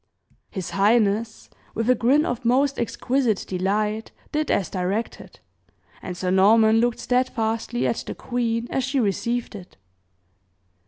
His highness, with a grin of most exquisite delight, did as directed; and Sir Norman looked steadfastly at the queen as she received it.